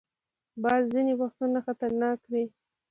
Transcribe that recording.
باد ځینې وختونه خطرناک وي